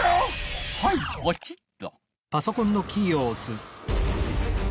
はいポチッと。